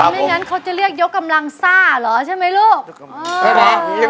อ๋อไม่งั้นเขาจะเรียกยกกำลังซ่าหรือใช่ไหมลูก